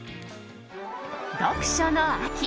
読書の秋。